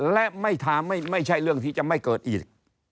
และไม่ทำไม่ใช่เรื่องที่จะไม่เกิดอีก